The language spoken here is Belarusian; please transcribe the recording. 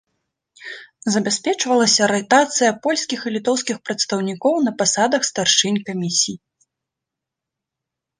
Забяспечвалася ратацыя польскіх і літоўскіх прадстаўнікоў на пасадах старшынь камісій.